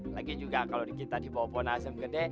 lagi juga kalau kita di bawah pohon asem gede